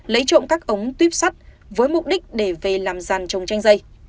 lấy trộm các ống tuyếp sắt với mục đích để về làm giàn trồng chanh dây